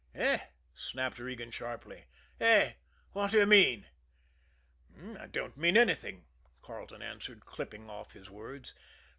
"Eh!" snapped Regan sharply. "Eh! what do you mean?" "I don't mean anything," Carleton answered, clipping off his words.